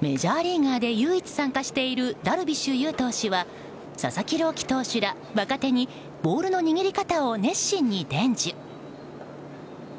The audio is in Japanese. メジャーリーガーで唯一参加しているダルビッシュ有投手は佐々木朗希投手ら若手にボールの握り方を熱心に伝授。